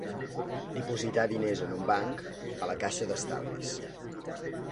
Dipositar diners en un banc, a la caixa d'estalvis.